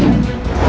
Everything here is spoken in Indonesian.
kau tidak tahu